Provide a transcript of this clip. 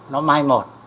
nó mai một